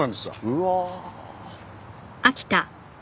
うわあ。